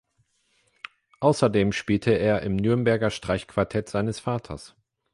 Außerdem spielte er im Nürnberger Streichquartett seines Vaters.